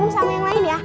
sama yang lain ya